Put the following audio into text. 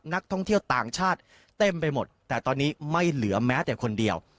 นักท่องเที่ยวต่างชาติเต็มไปหมดแต่ตอนนี้ไม่เหลือแม้แต่คนเดียว